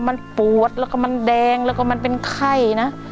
มันปวดแล้วก็มันแดงแล้วก็มันเป็นไข้นะ